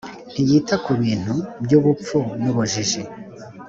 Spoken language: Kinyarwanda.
ntiyita kubintu by ‘ubupfu n’ ubujiji.